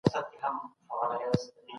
هغه یوازي د کډوالو ژوند نه دی څېړلی.